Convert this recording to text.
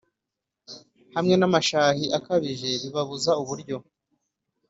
hamwe n’amashahi akabije bibabuza uburyo,